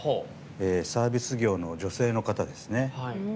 サービス業の女性の方ですね。